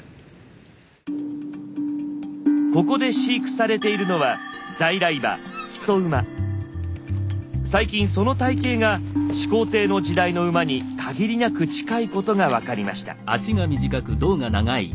ここで飼育されているのは最近その体形が始皇帝の時代の馬に限りなく近いことが分かりました。